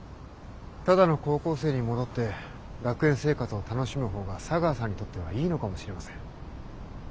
ただの高校生に戻って学園生活を楽しむ方が茶川さんにとってはいいのかもしれません。